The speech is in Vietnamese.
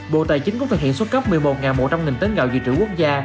bộ tài chính cũng thực hiện xuất cấp một mươi một một trăm linh tấn gạo dự trữ quốc gia